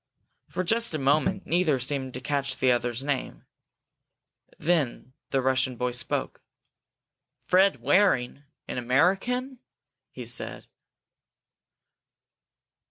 For just a moment neither seemed to catch the other's name. Then the Russian boy spoke. "Fred Waring an American?" he said.